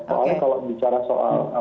soalnya kalau bicara soal